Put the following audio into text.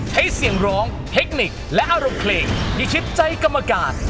ให้เสียงร้องเทคนิคและอรบเพลงยิชิบใจกรรมการ